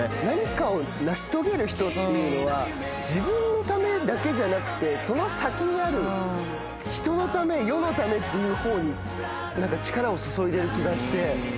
何かを成し遂げる人っていうのは自分のためだけじゃなくてその先にある人のため世のためっていうほうに力を注いでる気がして。